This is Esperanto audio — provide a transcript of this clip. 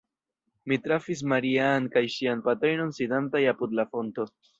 Mi trafis Maria-Ann kaj ŝian patrinon sidantaj apud la fonto.